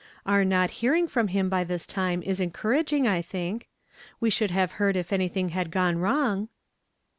Our not hearing from him by this time is encour aging, I think. We should have heard if anything had gone wrong."